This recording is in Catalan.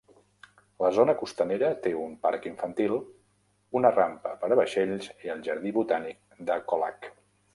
La zona costanera té un parc infantil, una rampa per a vaixells i el Jardí Botànic de Colac.